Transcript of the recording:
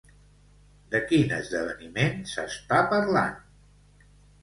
De quin esdeveniment s'està parlant?